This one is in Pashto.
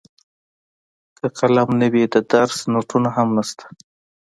که قلم نه وي د درس نوټونه هم نشته.